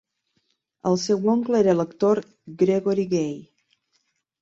El seu oncle era l'actor Gregory Gaye.